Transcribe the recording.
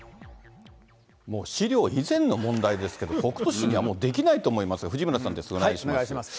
もう、資料以前の問題ですけど、北杜市にはもうできないと思いますが、藤村さんです、お願いしまお願いします。